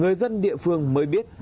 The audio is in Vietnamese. người dân địa phương mới biết